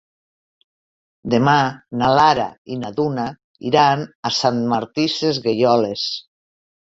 Demà na Lara i na Duna iran a Sant Martí Sesgueioles.